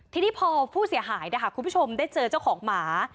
ทีนี้พอผู้เสียหายนะคะคุณผู้ชมได้เจอเจ้าของหมา